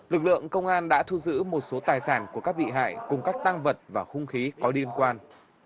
lực lượng công an đã thu giữ một số tài sản của các bị hại cùng các tăng vật và hung khí có liên quan